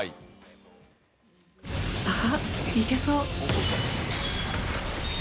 あっ、いけそう！